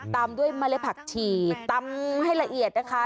ตำด้วยมะเลผักฉีตำให้ละเอียดนะคะ